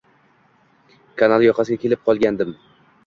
Kanal yoqasiga kelib qolgandim